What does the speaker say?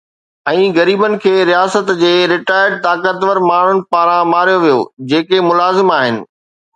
۽ غريبن کي رياست جي ريٽائرڊ طاقتور ماڻهن پاران ماريو ويو جيڪي ملازم آهن